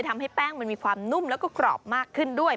ทำให้แป้งมันมีความนุ่มแล้วก็กรอบมากขึ้นด้วย